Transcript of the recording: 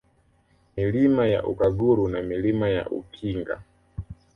Milima ya Ukaguru na Milima ya Ukinga